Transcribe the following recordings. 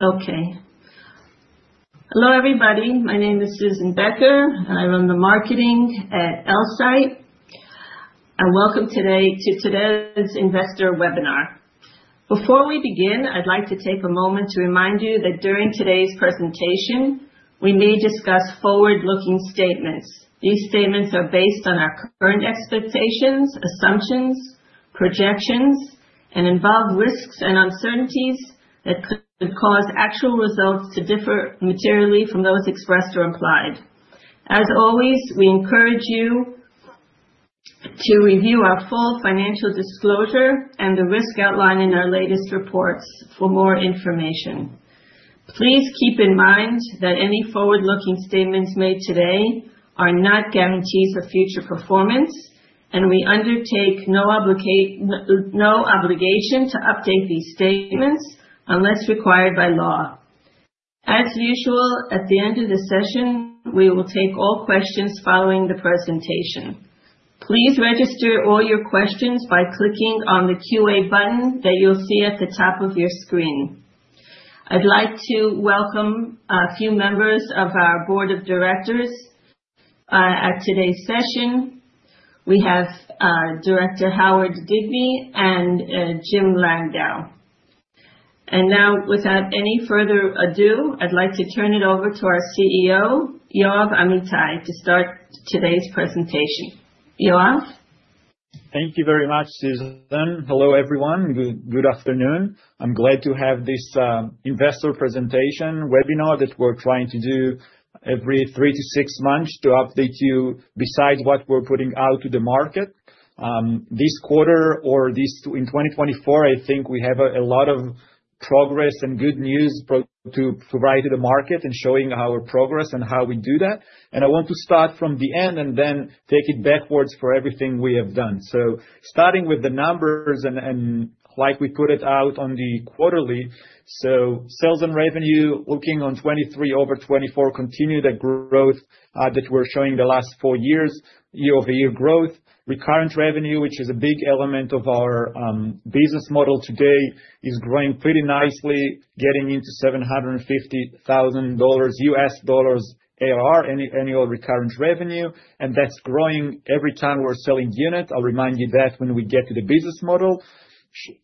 Okay. Hello, everybody. My name is Susan Becker, and I run the marketing at Elsight. Welcome today to today's Investor Webinar. Before we begin, I'd like to take a moment to remind you that during today's presentation, we may discuss forward-looking statements. These statements are based on our current expectations, assumptions, projections, and involve risks and uncertainties that could cause actual results to differ materially from those expressed or implied. As always, we encourage you to review our full financial disclosure and the risk outline in our latest reports for more information. Please keep in mind that any forward-looking statements made today are not guarantees of future performance, and we undertake no obligation to update these statements unless required by law. As usual, at the end of the session, we will take all questions following the presentation. Please register all your questions by clicking on the QA button that you'll see at the top of your screen. I'd like to welcome a few members of our board of directors at today's session. We have Director Howard Digby and Jim Landau. And now, without any further ado, I'd like to turn it over to our CEO, Yoav Amitai, to start today's presentation. Yoav. Thank you very much, Susan. Hello, everyone. Good afternoon. I'm glad to have this investor presentation webinar that we're trying to do every three to six months to update you besides what we're putting out to the market. This quarter, or this in 2024, I think we have a lot of progress and good news to provide to the market and showing our progress and how we do that. And I want to start from the end and then take it backwards for everything we have done. So starting with the numbers and like we put it out on the quarterly, so sales and revenue looking on 2023 over 2024 continued the growth that we're showing the last four years, year-over-year growth. Recurrent revenue, which is a big element of our business model today, is growing pretty nicely, getting into $750,000 ARR, Annual Recurring Revenue, and that's growing every time we're selling units. I'll remind you that when we get to the business model.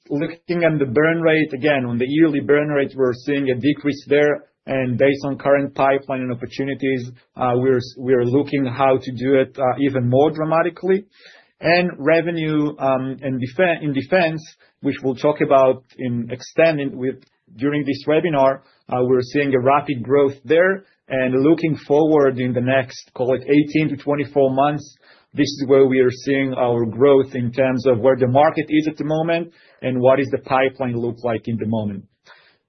Looking at the burn rate, again, on the yearly burn rate, we're seeing a decrease there, and based on current pipeline and opportunities, we're looking how to do it even more dramatically. And revenue and in defense, which we'll talk about in extending with during this webinar, we're seeing a rapid growth there, and looking forward in the next, call it 18-24 months, this is where we are seeing our growth in terms of where the market is at the moment and what is the pipeline look like in the moment.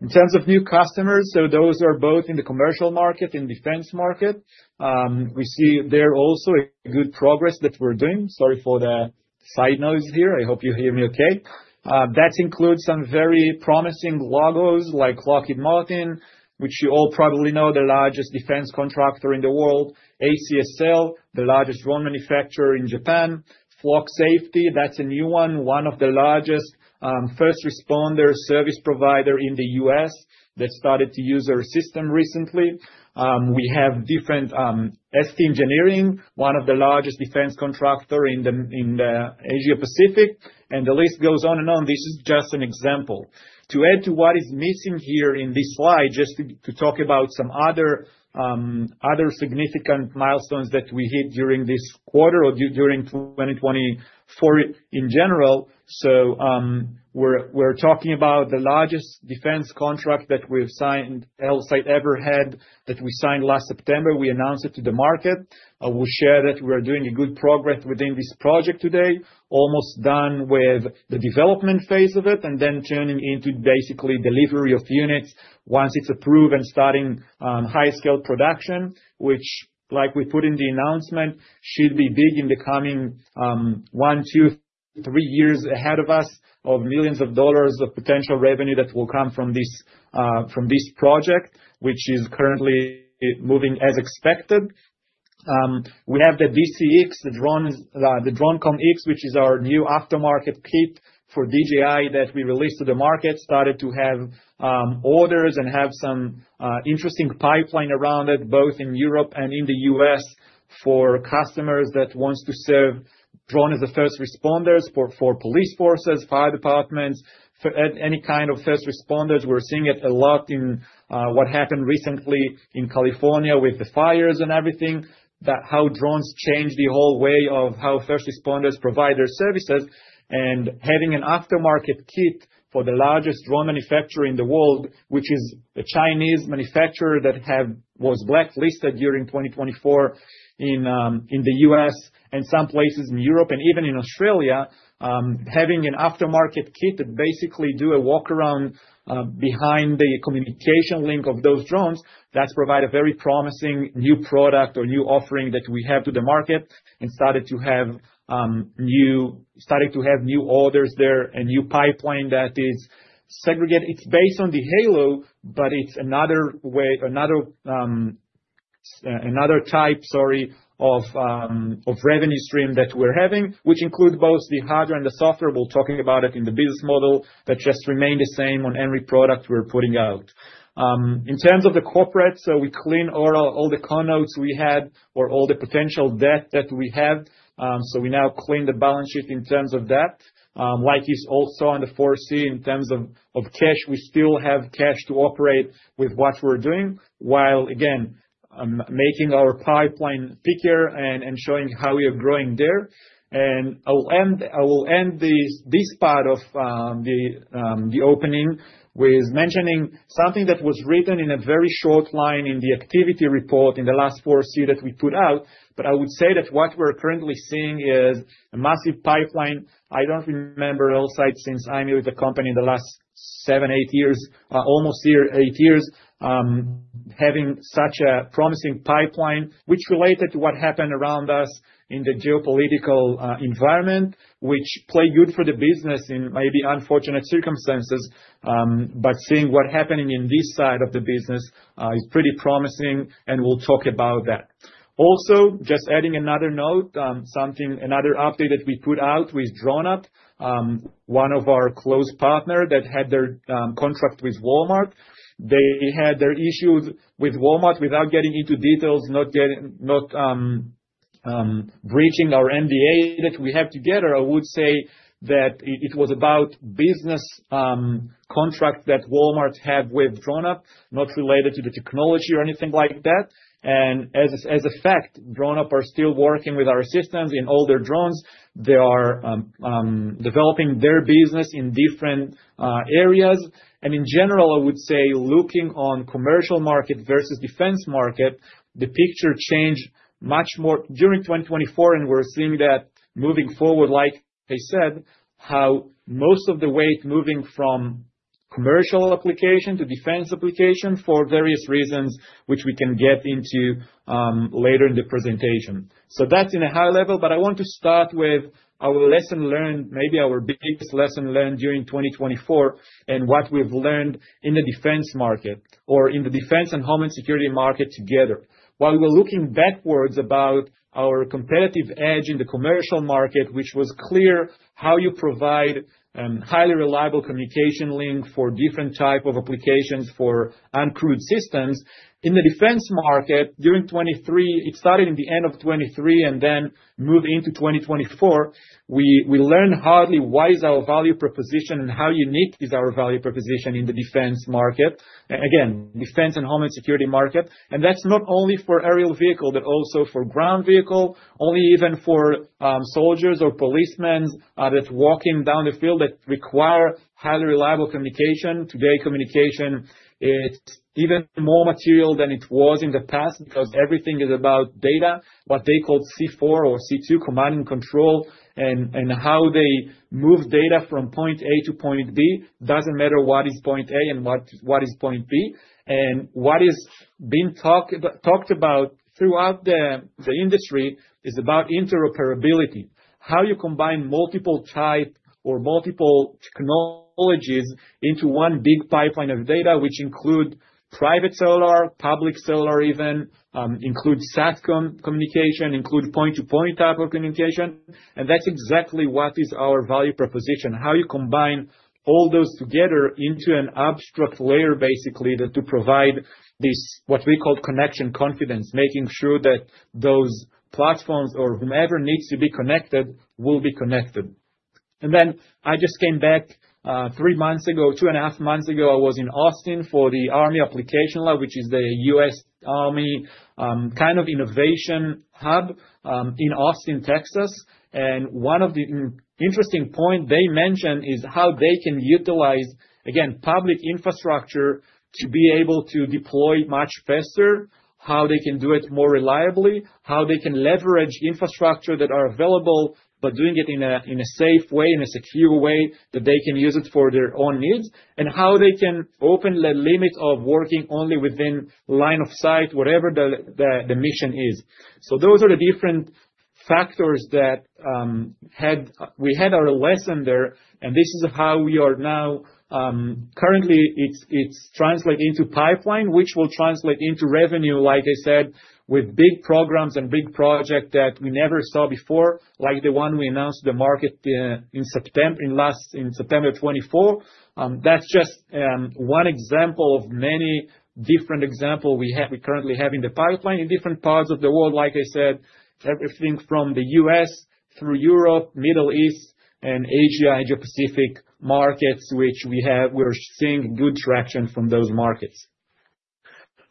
In terms of new customers, so those are both in the commercial market and defense market. We see there also a good progress that we're doing. Sorry for the side noise here. I hope you hear me okay. That includes some very promising logos like Lockheed Martin, which you all probably know, the largest defense contractor in the world. ACSL, the largest drone manufacturer in Japan. Flock Safety, that's a new one, one of the largest first responder service providers in the U.S. that started to use our system recently. We have different ST Engineering, one of the largest defense contractors in the Asia Pacific, and the list goes on and on. This is just an example. To add to what is missing here in this slide, just to talk about some other significant milestones that we hit during this quarter or during 2024 in general. We're talking about the largest defense contract that we've signed, Elsight ever had, that we signed last September. We announced it to the market. We shared that we are doing good progress within this project today, almost done with the development phase of it, and then turning into basically delivery of units once it's approved and starting high-scale production, which, like we put in the announcement, should be big in the coming one, two, three years ahead of us of millions of dollars of potential revenue that will come from this project, which is currently moving as expected. We have the DCX, the DroneCommX, which is our new aftermarket kit for DJI that we released to the market, started to have orders and have some interesting pipeline around it, both in Europe and in the U.S. for customers that want to serve drones as first responders for police forces, fire departments, any kind of first responders. We're seeing it a lot in what happened recently in California with the fires and everything, how drones changed the whole way of how first responders provide their services. Having an aftermarket kit for the largest drone manufacturer in the world, which is a Chinese manufacturer that was blacklisted during 2024 in the U.S. and some places in Europe and even in Australia, having an aftermarket kit that basically does a workaround behind the communication link of those drones, that's provided a very promising new product or new offering that we have to the market and started to have new orders there and new pipeline that is segregated. It's based on the Halo, but it's another type, sorry, of revenue stream that we're having, which includes both the hardware and the software. We'll talk about it in the business model, but it just remains the same on every product we're putting out. In terms of the corporate, so we cleaned all the covenants we had or all the potential debt that we have. So we now cleaned the balance sheet in terms of that. Like you also on the Q4 in terms of cash, we still have cash to operate with what we're doing, while, again, making our pipeline thicker and showing how we are growing there. And I will end this part of the opening with mentioning something that was written in a very short line in the activity report in the last Q4 that we put out. But I would say that what we're currently seeing is a massive pipeline. I don't remember Elsight since I knew the company in the last seven, eight years, almost eight years, having such a promising pipeline, which related to what happened around us in the geopolitical environment, which played good for the business in maybe unfortunate circumstances. But seeing what's happening in this side of the business is pretty promising, and we'll talk about that. Also, just adding another note, another update that we put out with DroneUp, one of our close partners that had their contract with Walmart. They had their issues with Walmart without getting into details, not breaching our NDA that we have together. I would say that it was about business contracts that Walmart had with DroneUp, not related to the technology or anything like that. And as a fact, DroneUp are still working with our systems in all their drones. They are developing their business in different areas. In general, I would say looking on commercial market versus defense market, the picture changed much more during 2024, and we're seeing that moving forward, like I said, how most of the weight moving from commercial application to defense application for various reasons, which we can get into later in the presentation. That's in a high level, but I want to start with our lesson learned, maybe our biggest lesson learned during 2024 and what we've learned in the defense market or in the Defense and Homeland Security market together. While we're looking backwards about our competitive edge in the commercial market, which was clear how you provide a highly reliable communication link for different types of applications for uncrewed systems. In the defense market, during 2023, it started in the end of 2023 and then moved into 2024. We learned hard what is our value proposition and how unique is our value proposition in the defense market. Again, Defense and Homeland Security market, and that's not only for aerial vehicle, but also for ground vehicle, and even for soldiers or policemen that are walking down the field that require highly reliable communication. Today, communication, it's even more material than it was in the past because everything is about data, what they called C4 or C2, Command and Control, and how they move data from point A to point B. It doesn't matter what is point A and what is point B. What has been talked about throughout the industry is about interoperability, how you combine multiple types or multiple technologies into one big pipeline of data, which includes private cellular, public cellular even, includes SATCOM communication, includes point-to-point type of communication. That's exactly what is our value proposition, how you combine all those together into an abstract layer, basically, to provide this, what we call connection confidence, making sure that those platforms or whomever needs to be connected will be connected. Then I just came back three months ago, two and a half months ago, I was in Austin for the Army Applications Laboratory, which is the U.S. Army kind of innovation hub in Austin, Texas. One of the interesting points they mentioned is how they can utilize, again, public infrastructure to be able to deploy much faster, how they can do it more reliably, how they can leverage infrastructure that are available, but doing it in a safe way, in a secure way that they can use it for their own needs, and how they can open the limit of working only within line of sight, whatever the mission is. So those are the different factors that we had our lesson there. And this is how we are now currently, it's translated into pipeline, which will translate into revenue, like I said, with big programs and big projects that we never saw before, like the one we announced to the market in September 2024. That's just one example of many different examples we currently have in the pipeline in different parts of the world, like I said, everything from the U.S. through Europe, Middle East, and Asia, Asia Pacific markets, which we are seeing good traction from those markets.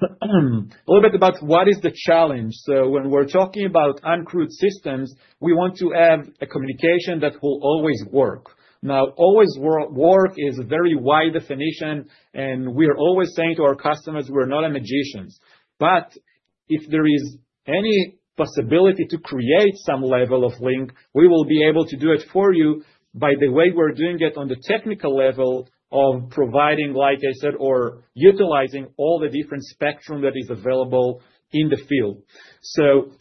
A little bit about what is the challenge, so when we're talking about uncrewed systems, we want to have a communication that will always work. Now, always work is a very wide definition, and we are always saying to our customers, we're not a magician, but if there is any possibility to create some level of link, we will be able to do it for you by the way we're doing it on the technical level of providing, like I said, or utilizing all the different spectrum that is available in the field.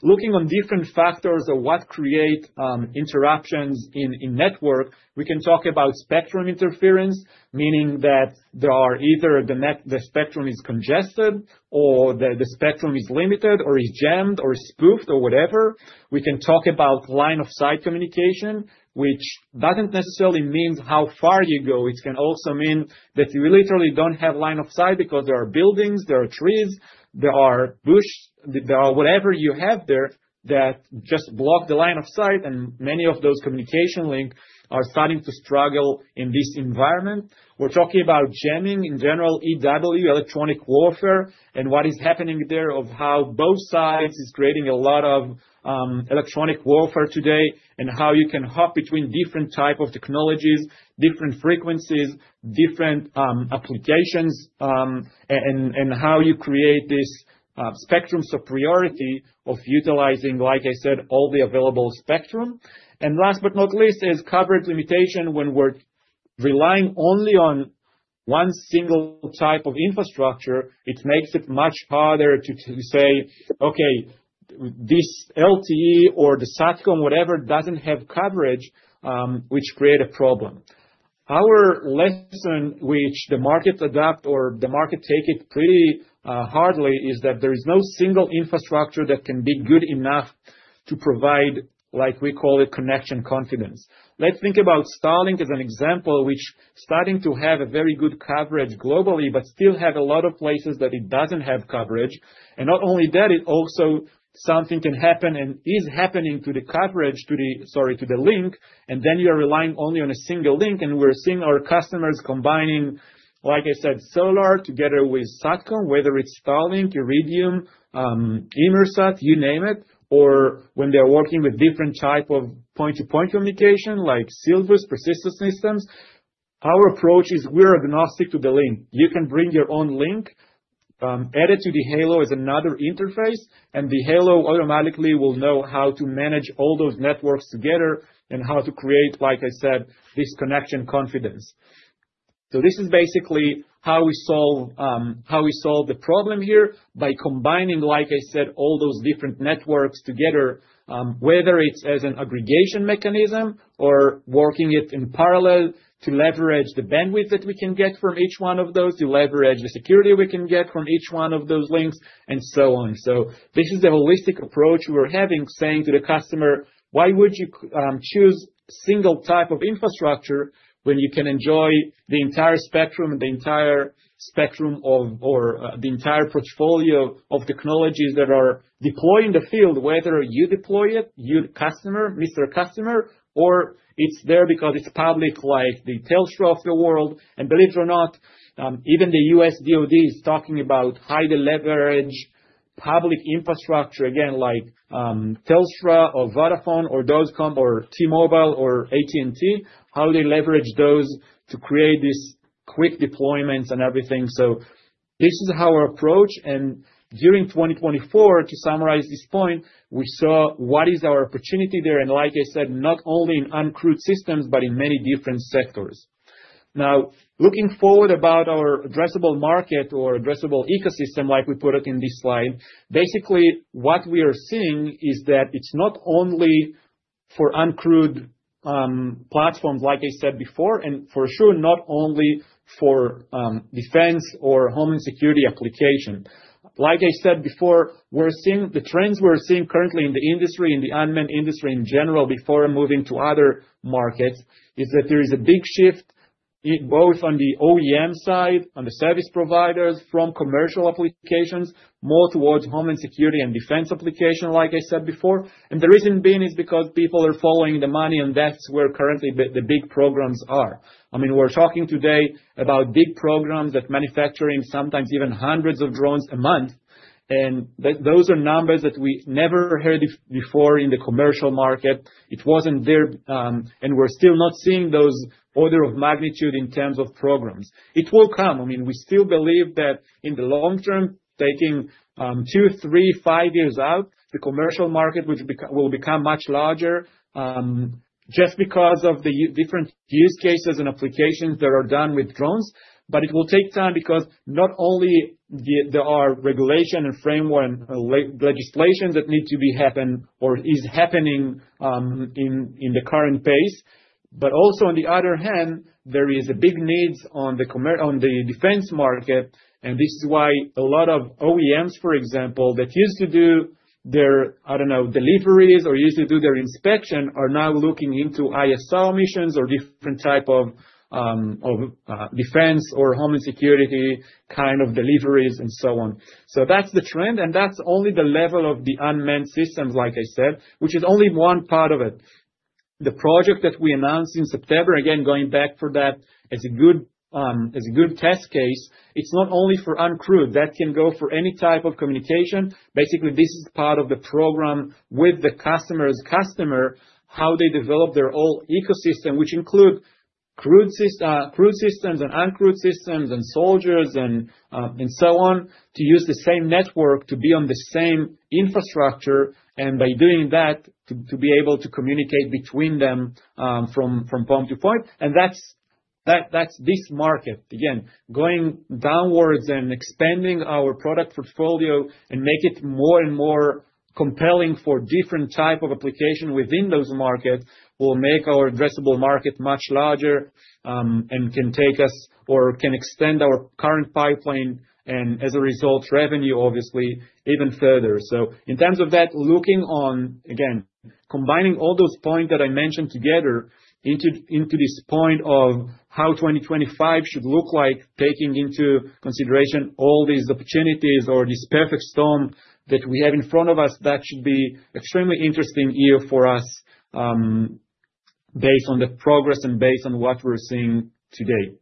Looking on different factors of what creates interruptions in network, we can talk about spectrum interference, meaning that there are either the spectrum is congested or the spectrum is limited or is jammed or spoofed or whatever. We can talk about line of sight communication, which doesn't necessarily mean how far you go. It can also mean that you literally don't have line of sight because there are buildings, there are trees, there are bushes, there are whatever you have there that just block the line of sight, and many of those communication links are starting to struggle in this environment. We're talking about jamming in general, EW, Electronic Warfare, and what is happening there of how both sides are creating a lot of Electronic Warfare today and how you can hop between different types of technologies, different frequencies, different applications, and how you create these spectrums of priority of utilizing, like I said, all the available spectrum, and last but not least is coverage limitation. When we're relying only on one single type of infrastructure, it makes it much harder to say, "Okay, this LTE or the SATCOM, whatever, doesn't have coverage," which creates a problem. Our lesson, which the market adopts or the market takes it pretty hardly, is that there is no single infrastructure that can be good enough to provide, like we call it, connection confidence. Let's think about Starlink as an example, which is starting to have a very good coverage globally, but still has a lot of places that it doesn't have coverage. And not only that, it also something can happen and is happening to the coverage, sorry, to the link, and then you are relying only on a single link. And we're seeing our customers combining, like I said, cellular together with SATCOM, whether it's Starlink, Iridium, Inmarsat, you name it, or when they're working with different types of point-to-point communication like Silvus Persistent Systems. Our approach is we're agnostic to the link. You can bring your own link, add it to the Halo as another interface, and the Halo automatically will know how to manage all those networks together and how to create, like I said, this connection confidence. So this is basically how we solve the problem here by combining, like I said, all those different networks together, whether it's as an aggregation mechanism or working it in parallel to leverage the bandwidth that we can get from each one of those to leverage the security we can get from each one of those links and so on. So this is the holistic approach we're having, saying to the customer, "Why would you choose a single type of infrastructure when you can enjoy the entire spectrum and the entire spectrum of or the entire portfolio of technologies that are deployed in the field, whether you deploy it, you customer, Mr. Customer, or it's there because it's public like the Telstra of the world?" And believe it or not, even the U.S. DOD is talking about high-level public infrastructure, again, like Telstra or Vodafone or DoCoMo or T-Mobile or AT&T, how they leverage those to create these quick deployments and everything. So this is our approach. And during 2024, to summarize this point, we saw what is our opportunity there. And like I said, not only in uncrewed systems, but in many different sectors. Now, looking forward about our addressable market or addressable ecosystem, like we put it in this slide, basically what we are seeing is that it's not only for uncrewed platforms, like I said before, and for sure, not only for Defense or Homeland Security application. Like I said before, we're seeing the trends we're seeing currently in the industry, in the unmanned industry in general, before moving to other markets, is that there is a big shift both on the OEM side, on the service providers from commercial applications, more towards Homeland Security and defense application, like I said before. And the reason being is because people are following the money, and that's where currently the big programs are. I mean, we're talking today about big programs that manufacture sometimes even hundreds of drones a month. And those are numbers that we never heard before in the commercial market. It wasn't there, and we're still not seeing those orders of magnitude in terms of programs. It will come. I mean, we still believe that in the long term, taking two, three, five years out, the commercial market will become much larger just because of the different use cases and applications that are done with drones. But it will take time because not only there are regulations and frameworks and legislations that need to happen or are happening in the current pace, but also on the other hand, there is a big need on the defense market. And this is why a lot of OEMs, for example, that used to do their, I don't know, deliveries or used to do their inspection are now looking into ISR missions or different types of Defense or Homeland Security kind of deliveries and so on. So that's the trend, and that's only the level of the unmanned systems, like I said, which is only one part of it. The project that we announced in September, again, going back for that as a good test case, it's not only for uncrewed. That can go for any type of communication. Basically, this is part of the program with the customer's customer, how they develop their whole ecosystem, which includes crewed systems and uncrewed systems and soldiers and so on to use the same network to be on the same infrastructure. By doing that, to be able to communicate between them from point to point. That's this market, again, going downwards and expanding our product portfolio and making it more and more compelling for different types of applications within those markets will make our addressable market much larger and can take us or can extend our current pipeline and, as a result, revenue, obviously, even further. So in terms of that, looking on, again, combining all those points that I mentioned together into this point of how 2025 should look like, taking into consideration all these opportunities or this perfect storm that we have in front of us, that should be an extremely interesting year for us based on the progress and based on what we're seeing today.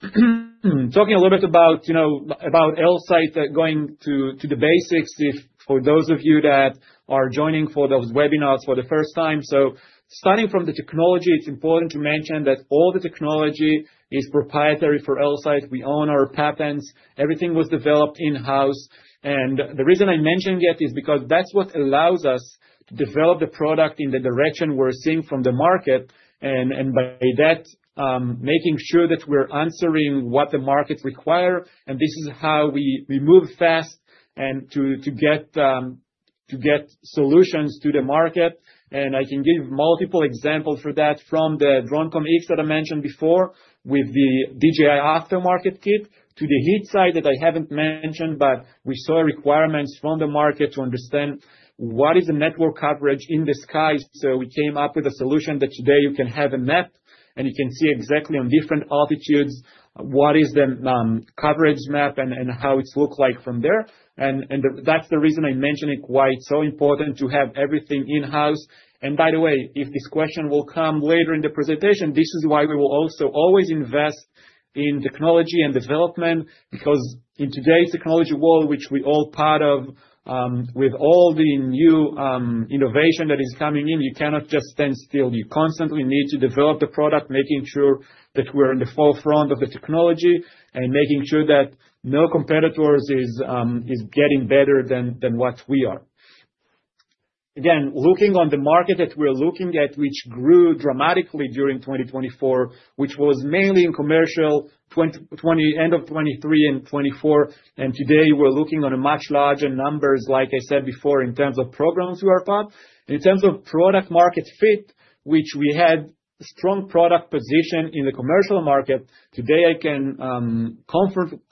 Talking a little bit about Elsight, going to the basics, for those of you that are joining for those webinars for the first time. So starting from the technology, it's important to mention that all the technology is proprietary for Elsight. We own our patents. Everything was developed in-house. And the reason I mentioned it is because that's what allows us to develop the product in the direction we're seeing from the market. And by that, making sure that we're answering what the markets require. And this is how we move fast and to get solutions to the market. And I can give multiple examples for that from the DroneCommX that I mentioned before with the DJI aftermarket kit to the HeatSight that I haven't mentioned, but we saw requirements from the market to understand what is the network coverage in the sky. So we came up with a solution that today you can have a map, and you can see exactly on different altitudes what is the coverage map and how it looks like from there. And that's the reason I mentioned why it's so important to have everything in-house. And by the way, if this question will come later in the presentation, this is why we will also always invest in technology and development because in today's technology world, which we are all part of, with all the new innovation that is coming in, you cannot just stand still. You constantly need to develop the product, making sure that we're in the forefront of the technology and making sure that no competitor is getting better than what we are. Again, looking on the market that we're looking at, which grew dramatically during 2024, which was mainly in commercial end of 2023 and 2024. And today, we're looking at a much larger number, like I said before, in terms of programs we are part of. In terms of product-market fit, which we had a strong product position in the commercial market, today, I can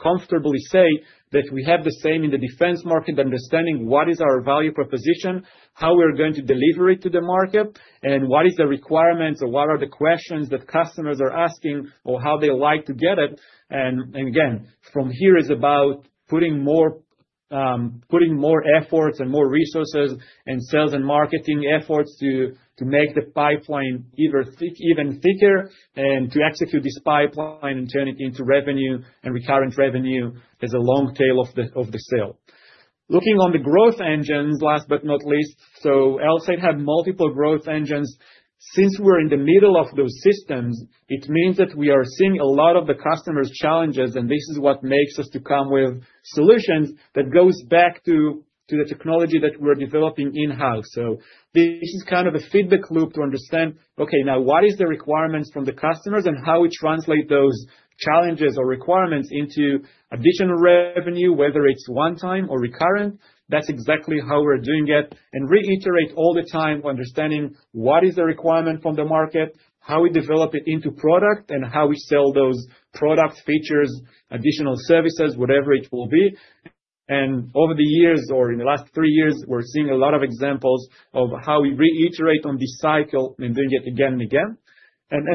comfortably say that we have the same in the defense market, understanding what is our value proposition, how we're going to deliver it to the market, and what are the requirements or what are the questions that customers are asking or how they like to get it. And again, from here, it's about putting more efforts and more resources and sales and marketing efforts to make the pipeline even thicker and to execute this pipeline and turn it into revenue and recurrent revenue as a long tail of the sale. Looking on the growth engines, last but not least, so Elsight has multiple growth engines. Since we're in the middle of those systems, it means that we are seeing a lot of the customers' challenges, and this is what makes us come up with solutions that go back to the technology that we're developing in-house. So this is kind of a feedback loop to understand, okay, now what are the requirements from the customers and how we translate those challenges or requirements into additional revenue, whether it's one-time or recurrent. That's exactly how we're doing it. We reiterate all the time understanding what is the requirement from the market, how we develop it into product, and how we sell those product features, additional services, whatever it will be. Over the years or in the last three years, we're seeing a lot of examples of how we reiterate on this cycle and doing it again and again.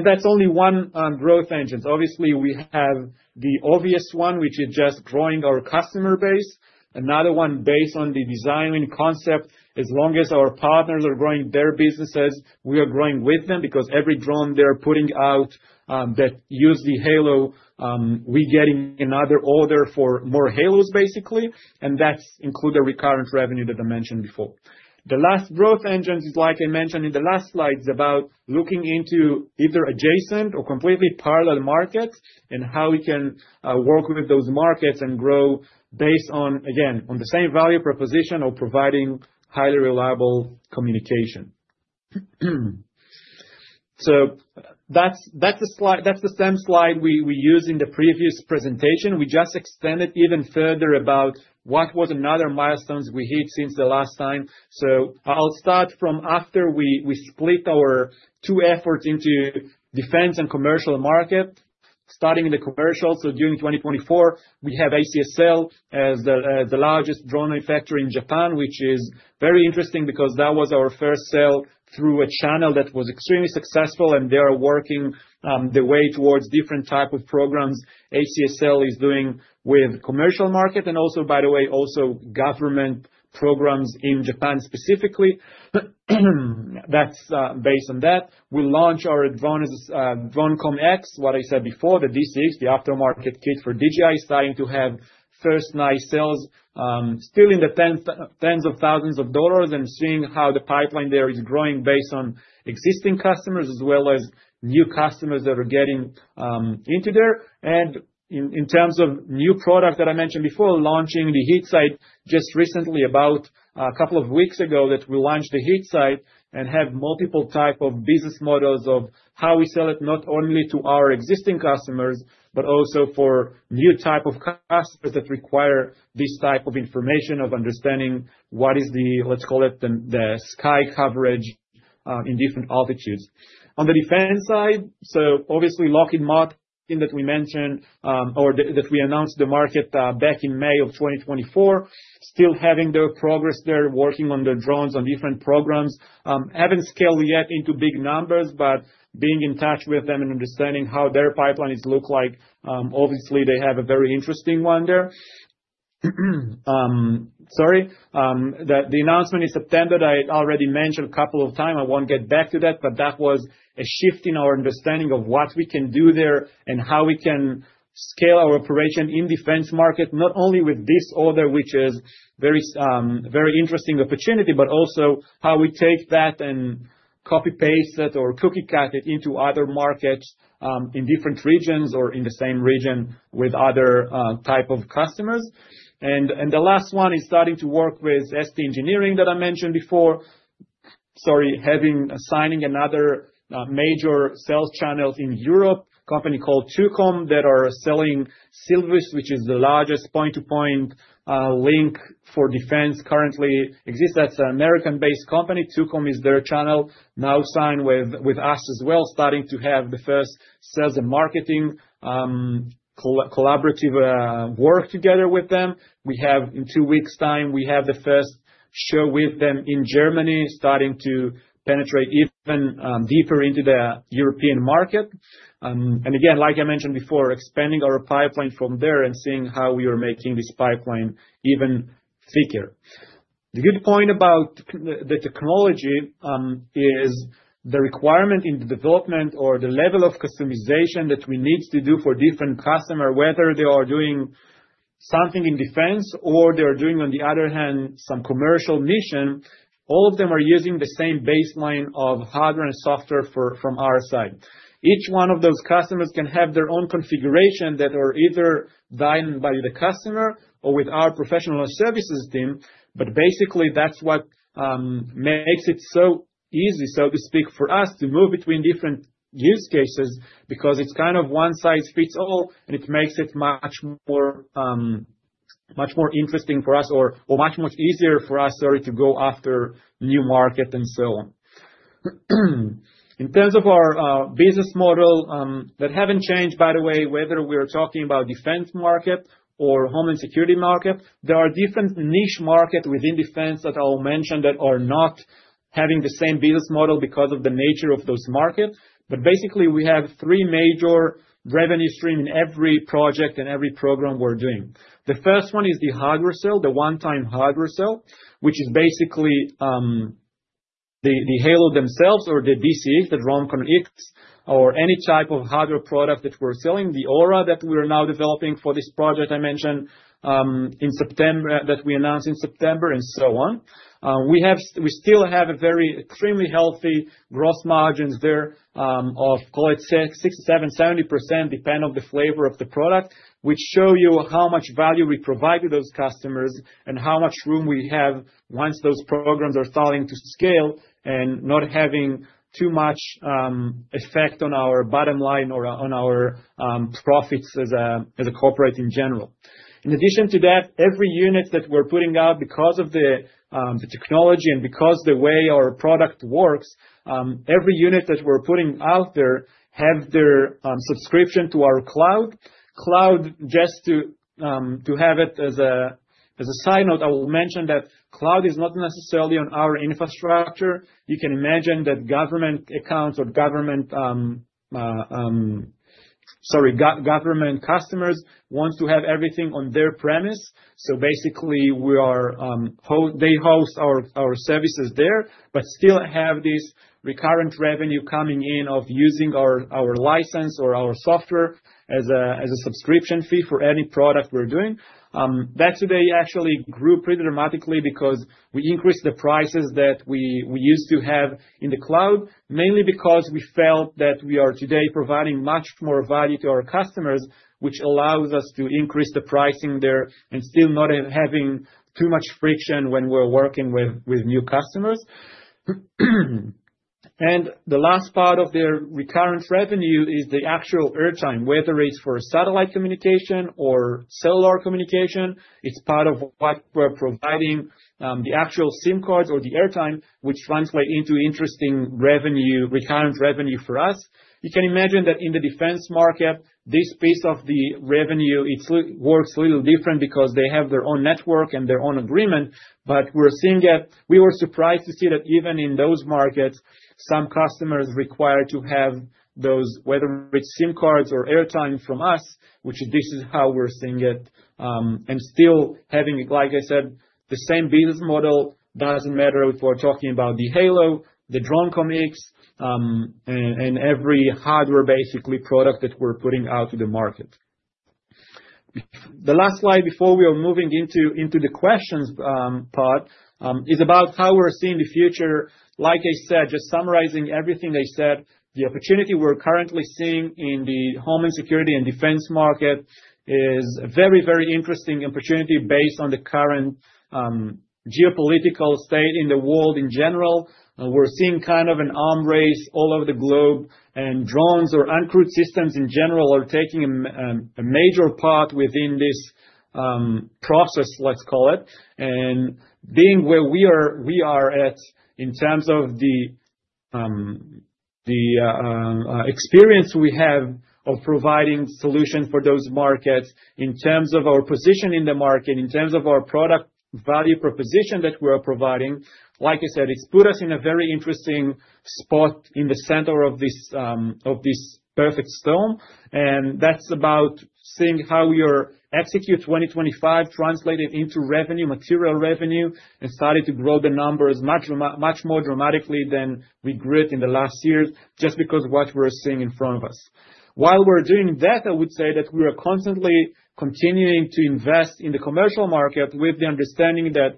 That's only one growth engine. Obviously, we have the obvious one, which is just growing our customer base. Another one based on the design concept. As long as our partners are growing their businesses, we are growing with them because every drone they're putting out that uses the Halo, we're getting another order for more Halos, basically. And that includes the recurrent revenue that I mentioned before. The last growth engine is, like I mentioned in the last slide, it's about looking into either adjacent or completely parallel markets and how we can work with those markets and grow based on, again, on the same value proposition of providing highly reliable communication. So that's the same slide we used in the previous presentation. We just extended even further about what were the other milestones we hit since the last time. So I'll start from after we split our two efforts into defense and commercial market. Starting in the commercial, so during 2024, we have ACSL as the largest drone manufacturer in Japan, which is very interesting because that was our first sale through a channel that was extremely successful, and they are working their way towards different types of programs ACSL is doing with the commercial market, and also, by the way, also government programs in Japan specifically. That's based on that. We launched our DroneCommX, what I said before, the DCX, the aftermarket kit for DJI, starting to have first nice sales, still in the tens of thousands of dollars, and seeing how the pipeline there is growing based on existing customers as well as new customers that are getting into there. And in terms of new products that I mentioned before, launching the HeatSight just recently, about a couple of weeks ago that we launched the HeatSight and have multiple types of business models of how we sell it not only to our existing customers, but also for new types of customers that require this type of information of understanding what is the, let's call it, the sky coverage in different altitudes. On the defense side, so obviously Lockheed Martin that we mentioned or that we announced the market back in May of 2024, still having their progress there, working on their drones on different programs. Haven't scaled yet into big numbers, but being in touch with them and understanding how their pipeline looks like. Obviously, they have a very interesting one there. Sorry, the announcement is attended. I already mentioned a couple of times. I won't get back to that, but that was a shift in our understanding of what we can do there and how we can scale our operation in the defense market, not only with this order, which is a very interesting opportunity, but also how we take that and copy, paste it, or cookie-cut it into other markets in different regions or in the same region with other types of customers. The last one is starting to work with ST Engineering that I mentioned before. Sorry, signing another major sales channel in Europe, a company called tukom that is selling Silvus, which is the largest point-to-point link for defense currently. Exists. That's an American-based company. tukom is their channel now signed with us as well, starting to have the first sales and marketing collaborative work together with them. In two weeks' time, we have the first show with them in Germany, starting to penetrate even deeper into the European market, and again, like I mentioned before, expanding our pipeline from there and seeing how we are making this pipeline even thicker. The good point about the technology is the requirement in the development or the level of customization that we need to do for different customers, whether they are doing something in defense or they are doing, on the other hand, some commercial mission. All of them are using the same baseline of hardware and software from our side. Each one of those customers can have their own configuration that is either designed by the customer or with our professional services team. But basically, that's what makes it so easy, so to speak, for us to move between different use cases because it's kind of one size fits all, and it makes it much more interesting for us or much, much easier for us, sorry, to go after new markets and so on. In terms of our business model that hasn't changed, by the way, whether we are talking about the defense market or the Homeland Security market, there are different niche markets within defense that I'll mention that are not having the same business model because of the nature of those markets. But basically, we have three major revenue streams in every project and every program we're doing. The first one is the hardware sale, the one-time hardware sale, which is basically the Halo themselves or the DCX, the DroneCommX, or any type of hardware product that we're selling, the Aura that we're now developing for this project I mentioned that we announced in September and so on. We still have extremely healthy gross margins there of, call it, 60%-70% depending on the flavor of the product, which shows you how much value we provide to those customers and how much room we have once those programs are starting to scale and not having too much effect on our bottom line or on our profits as a corporation in general. In addition to that, every unit that we're putting out because of the technology and because of the way our product works, every unit that we're putting out there has their subscription to our cloud. Cloud, just to have it as a side note, I will mention that cloud is not necessarily on our infrastructure. You can imagine that government accounts or government, sorry, government customers want to have everything on their premises. So basically, they host our services there, but still have this recurring revenue coming in of using our license or our software as a subscription fee for any product we're doing. That today actually grew pretty dramatically because we increased the prices that we used to have in the cloud, mainly because we felt that we are today providing much more value to our customers, which allows us to increase the pricing there and still not having too much friction when we're working with new customers. And the last part of their recurring revenue is the actual airtime, whether it's for satellite communication or cellular communication. It's part of what we're providing, the actual SIM cards or the airtime, which translates into interesting recurring revenue for us. You can imagine that in the defense market, this piece of the revenue, it works a little different because they have their own network and their own agreement. But we're seeing it. We were surprised to see that even in those markets, some customers require to have those, whether it's SIM cards or airtime from us, which this is how we're seeing it. And still having, like I said, the same business model, doesn't matter if we're talking about the Halo, the DroneCommX, and every hardware, basically, product that we're putting out to the market. The last slide before we are moving into the questions part is about how we're seeing the future. Like I said, just summarizing everything I said, the opportunity we're currently seeing in the Homeland Security and defense market is a very, very interesting opportunity based on the current geopolitical state in the world in general. We're seeing kind of an arms race all over the globe, and drones or uncrewed systems in general are taking a major part within this process, let's call it. And being where we are at in terms of the experience we have of providing solutions for those markets, in terms of our position in the market, in terms of our product value proposition that we are providing, like I said, it's put us in a very interesting spot in the center of this perfect storm. That's about seeing how we execute 2025 translated into material revenue and started to grow the numbers much more dramatically than we grew it in the last year just because of what we're seeing in front of us. While we're doing that, I would say that we are constantly continuing to invest in the commercial market with the understanding that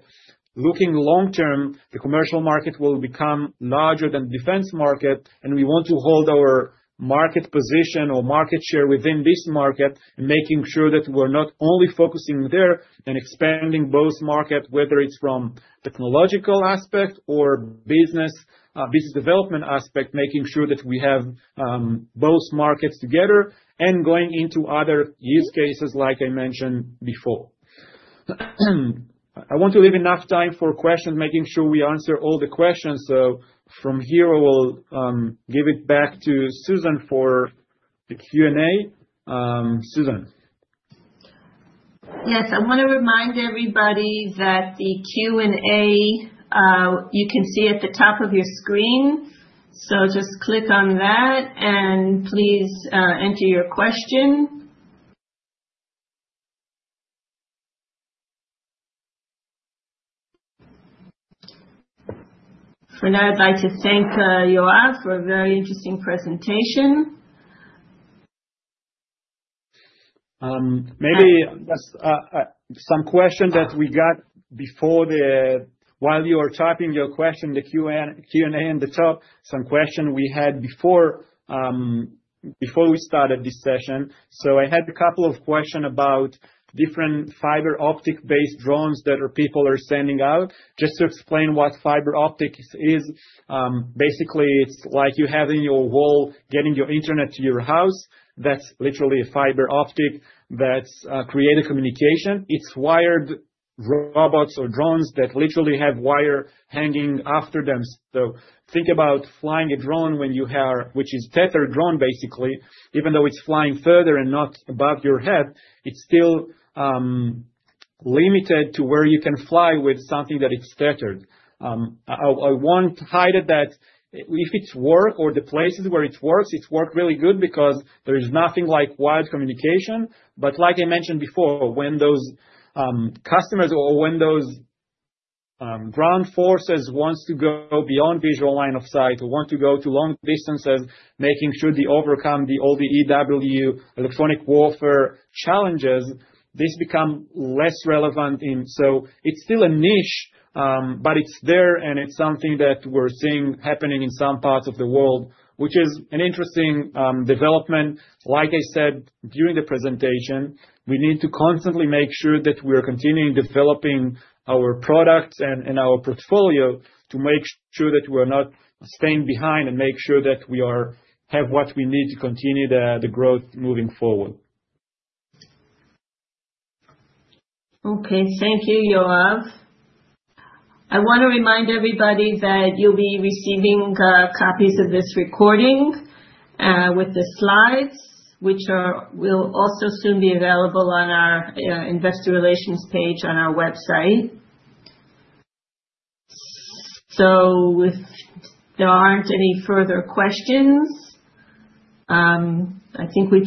looking long-term, the commercial market will become larger than the defense market, and we want to hold our market position or market share within this market and making sure that we're not only focusing there and expanding both markets, whether it's from a technological aspect or business development aspect, making sure that we have both markets together and going into other use cases, like I mentioned before. I want to leave enough time for questions, making sure we answer all the questions. So from here, I will give it back to Susan for the Q&A. Susan. Yes, I want to remind everybody that the Q&A you can see at the top of your screen. So just click on that and please enter your question. For now, I'd like to thank Yoav for a very interesting presentation. Maybe just some questions that we got before while you were typing your question, the Q&A in the top, some questions we had before we started this session. So I had a couple of questions about different fiber optic-based drones that people are sending out. Just to explain what fiber optic is, basically, it's like you have in your wall getting your internet to your house. That's literally a fiber optic that creates a communication. It's wired robots or drones that literally have wires hanging after them. So, think about flying a drone, which is a tethered drone, basically. Even though it's flying further and not above your head, it's still limited to where you can fly with something that is tethered. I won't hide it that if it works or the places where it works, it works really good because there is nothing like wired communication. But like I mentioned before, when those customers or when those ground forces want to go beyond visual line of sight or want to go to long distances, making sure they overcome all the EW, Electronic Warfare challenges, this becomes less relevant. So it's still a niche, but it's there, and it's something that we're seeing happening in some parts of the world, which is an interesting development. Like I said during the presentation, we need to constantly make sure that we are continuing developing our products and our portfolio to make sure that we are not staying behind and make sure that we have what we need to continue the growth moving forward. Okay, thank you, Yoav. I want to remind everybody that you'll be receiving copies of this recording with the slides, which will also soon be available on our investor relations page on our website. So if there aren't any further questions, I think we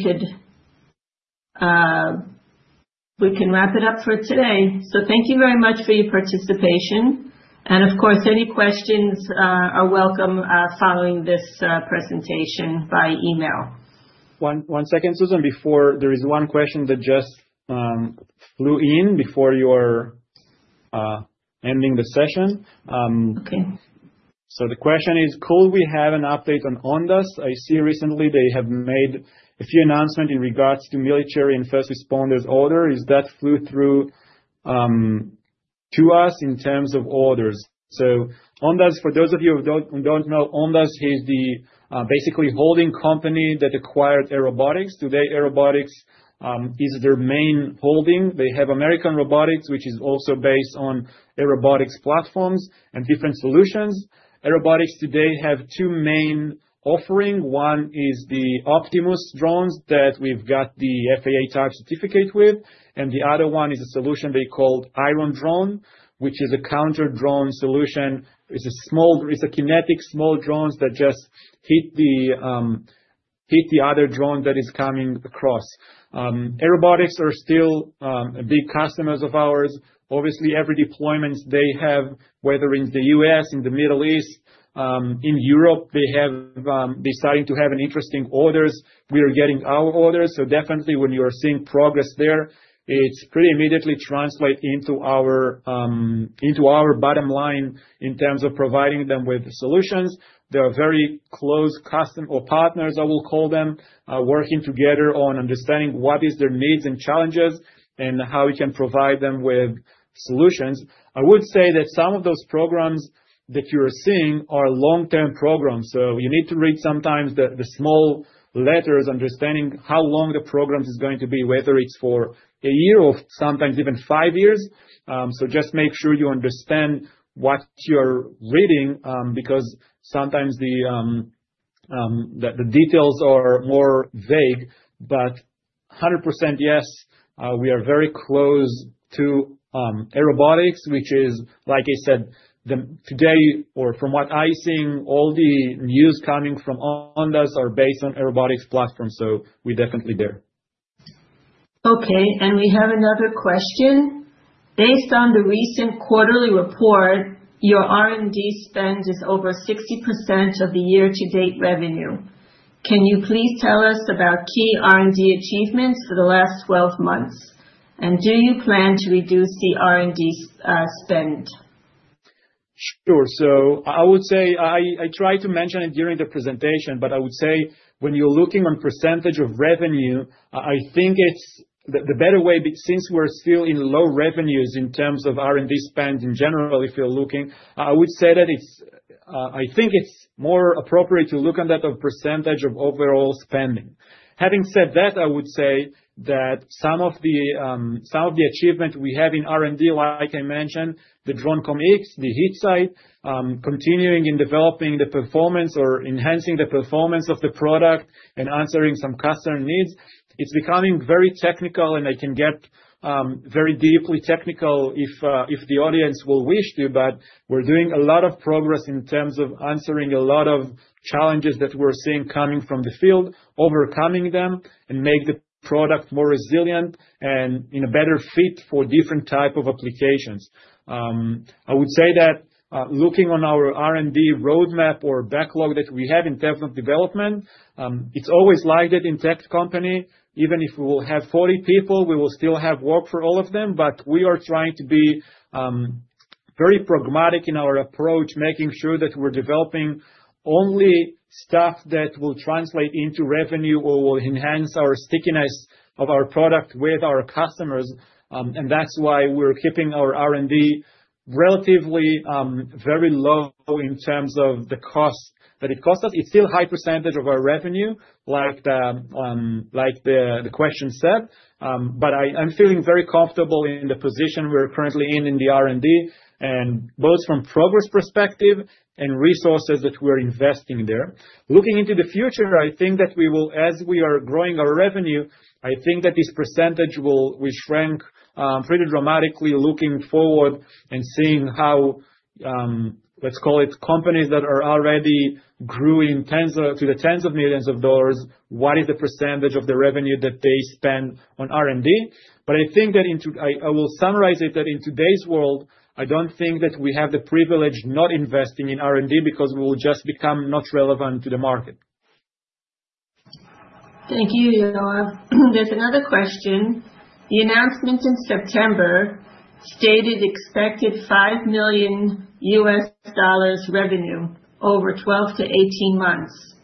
can wrap it up for today. So thank you very much for your participation. And of course, any questions are welcome following this presentation by email. One second, Susan, before there is one question that just flew in before you are ending the session. So the question is, could we have an update on Ondas? I see recently they have made a few announcements in regards to military and first responders orders. Is that flow through to us in terms of orders? Ondas, for those of you who don't know, Ondas is basically a holding company that acquired Airobotics. Today, Airobotics is their main holding. They have American Robotics, which is also based on Airobotics platforms and different solutions. Airobotics today has two main offerings. One is the Optimus drones that we've got the FAA Type Certificate with, and the other one is a solution they called Iron Drone, which is a counter-drone solution. It's a kinetic small drone that just hits the other drone that is coming across. Airobotics are still big customers of ours. Obviously, every deployment they have, whether in the U.S., in the Middle East, in Europe, they're starting to have interesting orders. We are getting our orders. So definitely, when you are seeing progress there, it's pretty immediately translated into our bottom line in terms of providing them with solutions. They are very close customers or partners, I will call them, working together on understanding what are their needs and challenges and how we can provide them with solutions. I would say that some of those programs that you are seeing are long-term programs. So you need to read sometimes the small letters understanding how long the program is going to be, whether it's for a year or sometimes even five years. So just make sure you understand what you are reading because sometimes the details are more vague. But 100% yes, we are very close to Airobotics, which is, like I said, today or from what I'm seeing, all the news coming from Ondas are based on Airobotics platforms. So we're definitely there. Okay. We have another question. Based on the recent quarterly report, your R&D spend is over 60% of the year-to-date revenue. Can you please tell us about key R&D achievements for the last 12 months? And do you plan to reduce the R&D spend? Sure. I would say I tried to mention it during the presentation, but I would say when you're looking at the percentage of revenue, I think the better way, since we're still in low revenues in terms of R&D spend in general, if you're looking, I would say that I think it's more appropriate to look at that percentage of overall spending. Having said that, I would say that some of the achievements we have in R&D, like I mentioned, the DroneCommX, the HeatSight, continuing in developing the performance or enhancing the performance of the product and answering some customer needs, it's becoming very technical, and I can get very deeply technical if the audience will wish to. But we're doing a lot of progress in terms of answering a lot of challenges that we're seeing coming from the field, overcoming them, and making the product more resilient and a better fit for different types of applications. I would say that looking at our R&D roadmap or backlog that we have in terms of development, it's always like that in tech companies. Even if we will have 40 people, we will still have work for all of them. But we are trying to be very pragmatic in our approach, making sure that we're developing only stuff that will translate into revenue or will enhance the stickiness of our product with our customers. And that's why we're keeping our R&D relatively very low in terms of the cost that it costs us. It's still a high percentage of our revenue, like the question said. But I'm feeling very comfortable in the position we're currently in the R&D, both from a progress perspective and resources that we're investing there. Looking into the future, I think that as we are growing our revenue, I think that this percentage will shrink pretty dramatically looking forward and seeing how, let's call it, companies that already grew to the tens of millions of dollars, what is the percentage of the revenue that they spend on R&D. I think that I will summarize it that in today's world, I don't think that we have the privilege of not investing in R&D because we will just become not relevant to the market. Thank you, Yoav. There's another question. The announcement in September stated expected $5 million revenue over 12-18 months.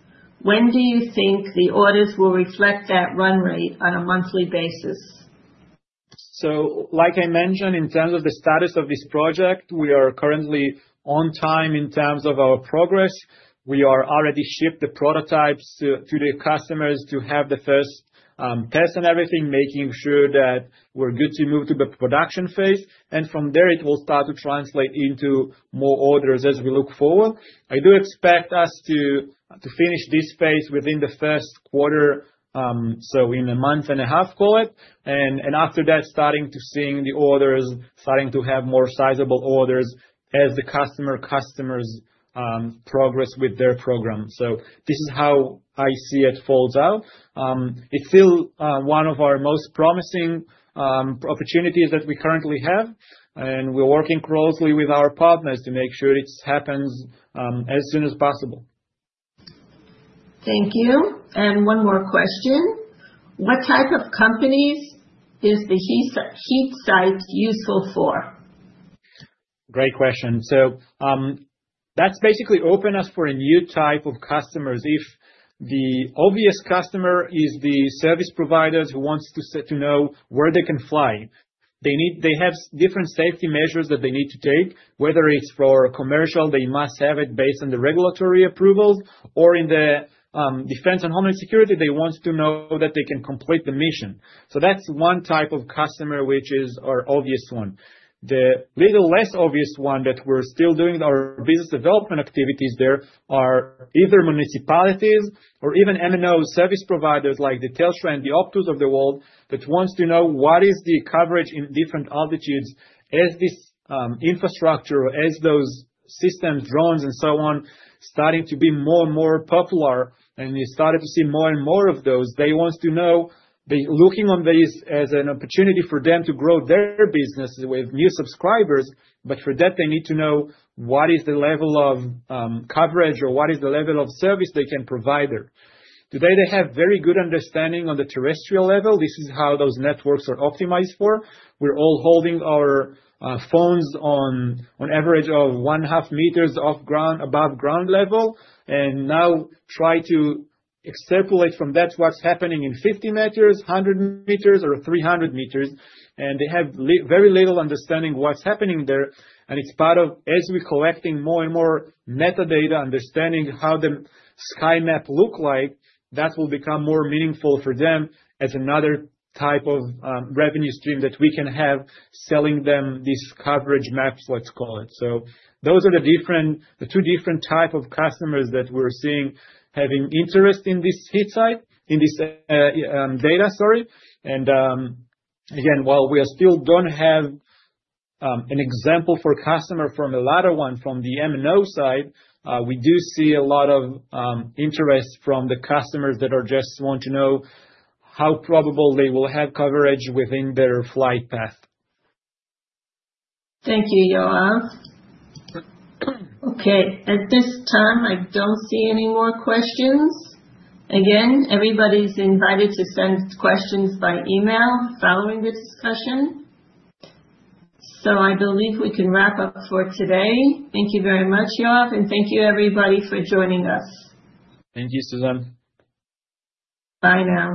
When do you think the orders will reflect that run rate on a monthly basis? Like I mentioned, in terms of the status of this project, we are currently on time in terms of our progress. We have already shipped the prototypes to the customers to have the first test and everything, making sure that we're good to move to the production phase. From there, it will start to translate into more orders as we look forward. I do expect us to finish this phase within the first quarter, so in a month and a half, call it. And after that, starting to see the orders, starting to have more sizable orders as the customer progresses with their program. So this is how I see it folds out. It's still one of our most promising opportunities that we currently have. And we're working closely with our partners to make sure it happens as soon as possible. Thank you. And one more question. What type of companies is the HeatSight useful for? Great question. So that's basically opening up for a new type of customers. If the obvious customer is the service providers who want to know where they can fly, they have different safety measures that they need to take. Whether it's for commercial, they must have it based on the regulatory approvals. Or, in the Defense and Homeland Security, they want to know that they can complete the mission. So that's one type of customer, which is our obvious one. The little less obvious one that we're still doing our business development activities there are either municipalities or even MNO service providers like the Telstra and the Optus of the world that want to know what is the coverage in different altitudes as this infrastructure or as those systems, drones, and so on, starting to be more and more popular. And you started to see more and more of those. They want to know, looking on these as an opportunity for them to grow their business with new subscribers. But for that, they need to know what is the level of coverage or what is the level of service they can provide there. Today, they have very good understanding on the terrestrial level. This is how those networks are optimized for. We're all holding our phones on an average of one and a half meters above ground level, and now try to extrapolate from that what's happening in 50 meters, 100 meters, or 300 meters, and they have very little understanding of what's happening there, and it's part of, as we're collecting more and more metadata, understanding how the sky map looks like, that will become more meaningful for them as another type of revenue stream that we can have selling them these coverage maps, let's call it, so those are the two different types of customers that we're seeing having interest in this HeatSight, in this data, sorry. And again, while we still don't have an example for customers from a latter one from the MNO side, we do see a lot of interest from the customers that just want to know how probable they will have coverage within their flight path. Thank you, Yoav. Okay. At this time, I don't see any more questions. Again, everybody's invited to send questions by email following the discussion. So I believe we can wrap up for today. Thank you very much, Yoav. And thank you, everybody, for joining us. Thank you, Susan. Bye now.